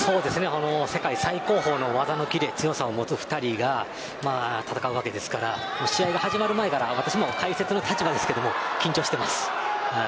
世界最高峰の技の切れ強さを持つ２人が戦うので、試合が始まる前から解説の立場ですが緊張しています。